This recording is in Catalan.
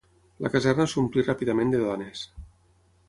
La caserna s'omplí ràpidament de dones